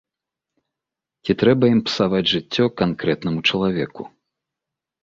Ці трэба ім псаваць жыццё канкрэтнаму чалавеку.